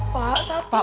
pak satu aja